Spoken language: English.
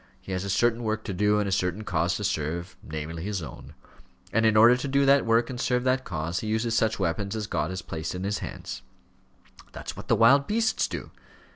He has a certain work to do, and a certain cause to serve namely, his own; and in order to do that work, and serve that cause, he uses such weapons as God has placed in his hands." "That's what the wild beasts do."